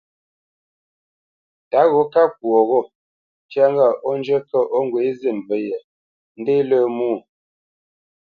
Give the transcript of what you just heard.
Tǎ gho ká kwo ghô, ntyá ŋgâʼ ó njə́ kə̂ ó ŋgwě zî ndǔ yē, ndé lə̄ mwô.